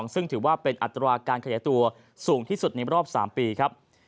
ซึ่งถือว่าเป็นอัตราการขยายตัวสูงที่สุดในรอบ๓ปีครับ